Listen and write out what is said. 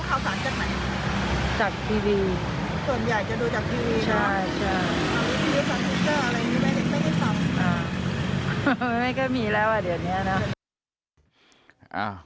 ค่ะ